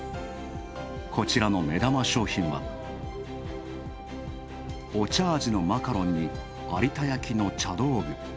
こちらの目玉商品は、お茶味のマカロンに有田焼の茶道具。